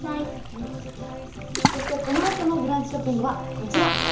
そしてこのあとの「ブランチショッピング」はこちら。